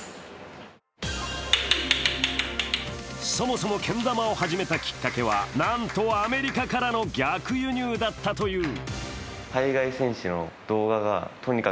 そもそもけん玉を始めたきっかけは、なんとアメリカからの逆輸入だったという。